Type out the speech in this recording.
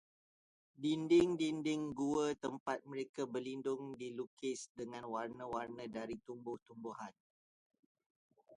Dinding-dinding gua tempat mereka berlindung dilukis dengan warna-warna dari tumbuh-tumbuhan.